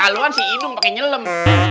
kalau kan si idung pake nyelem